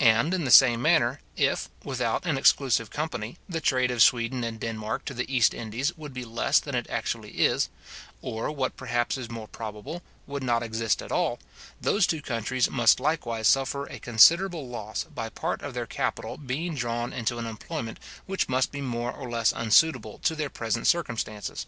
And, in the same manner, if, without an exclusive company, the trade of Sweden and Denmark to the East Indies would be less than it actually is, or, what perhaps is more probable, would not exist at all, those two countries must likewise suffer a considerable loss, by part of their capital being drawn into an employment which must be more or less unsuitable to their present circumstances.